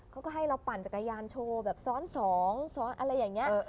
เขาก็ให้เราปั่นจักรยานโชว์แบบซ้อนสองซ้อนอะไรอย่างนี้